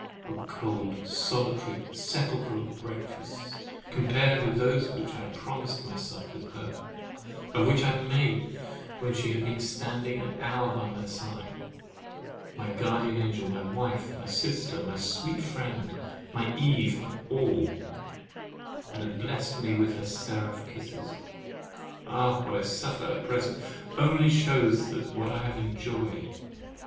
Oh! cold, solitary, sepulchral breakfasts, compared with those which I promised myself with her; or which I made when she had been standing an hour by my side, my guardian angel, my wife, my sister, my sweet friend, my Eve, my all; and had blest me with her seraph kisses! Ah! what I suffer at present only shews what I have enjoyed.